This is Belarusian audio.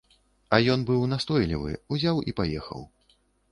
А ён быў настойлівы, узяў і паехаў.